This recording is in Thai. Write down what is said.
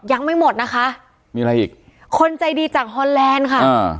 ยังไม่หมดนะคะมีอะไรอีกคนใจดีจากฮอนแลนด์ค่ะอ่า